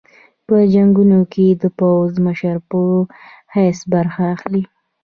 په جنګونو کې د پوځي مشر په حیث برخه اخلي.